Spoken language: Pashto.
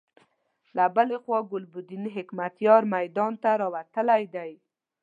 له بلې خوا ګلبدين حکمتیار میدان ته راوتلی دی.